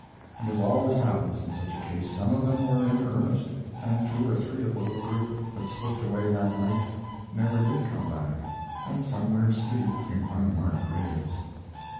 And as always happens in such a case, some of them were in earnest, and two or three of the little group that slipped away that night never did come back, and somewhere sleep in unmarked graves.